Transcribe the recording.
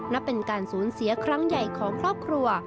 นับเป็นการสูญเสียครั้งใหญ่ของครอบครัว